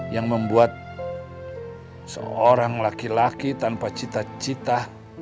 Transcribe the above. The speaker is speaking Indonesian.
yang membuat seorang laki laki tanpa cita cita